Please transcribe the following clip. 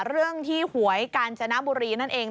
เรื่องที่หวยกาญจนบุรีนั่นเอง